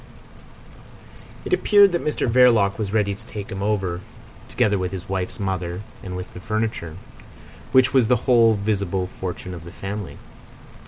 It appeared that Mr Verloc was ready to take him over together with his wife's mother and with the furniture, which was the whole visible fortune of the family.